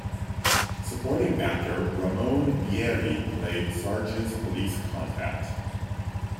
Supporting actor Ramon Bieri played Sarge's police contact.